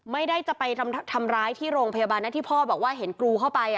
ไม่ได้จะไปทำร้ายที่โรงพยาบาลนะที่พ่อบอกว่าเห็นกรูเข้าไป